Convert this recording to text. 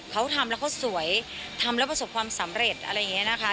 เขาทำแล้วเขาสวยทำแล้วประสบความสำเร็จอะไรอย่างนี้นะคะ